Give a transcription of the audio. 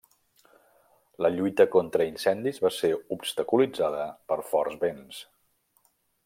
La lluita contra incendis va ser obstaculitzada per forts vents.